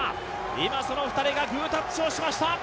今、その２人がグータッチをしてきました。